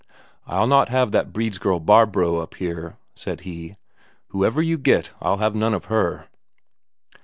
"I'll not have that Brede's girl Barbro up here," said he. "Whoever you get, I'll have none of her."